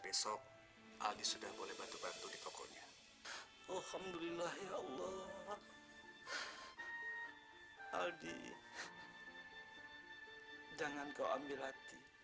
besok aldi sudah boleh bantu bantu di tokonya alhamdulillah ya allah aldi jangan kau ambil hati